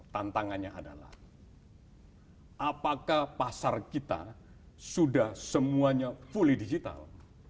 tantangannya adalah apakah pasar kita sudah semuanya fully digital